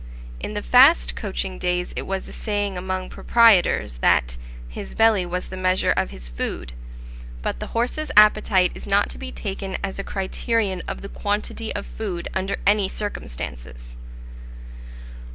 In the fast coaching days it was a saying among proprietors, that "his belly was the measure of his food;" but the horse's appetite is not to be taken as a criterion of the quantity of food under any circumstances.